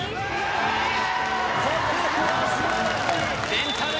レンタル